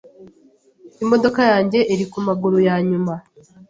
Imodoka yanjye iri kumaguru yanyuma.